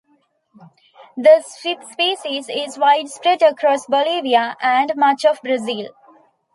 The species is widespread across Bolivia and much of Brazil.